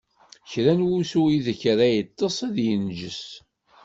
Kra n wusu ideg ara yeṭṭeṣ, ad inǧes.